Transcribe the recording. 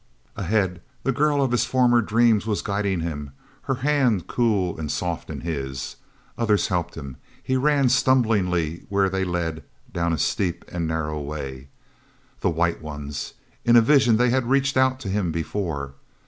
Ahead, the girl of his former dreams was guiding him, her hand cool and soft in his. Others helped him; he ran stumblingly where they led down a steep and narrow way. The White Ones! In a vision they had reached out to him before.